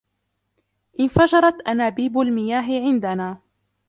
انفجرت أنابيب المياه عندنا.